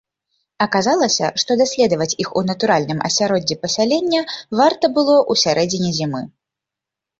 Аказалася, што даследаваць іх у натуральным асяроддзі пасялення варта было ў сярэдзіне зімы.